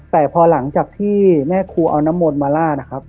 แต่พอหลังจากที่แม่ครูเอาน้ำมนต์มาลาดนะครับ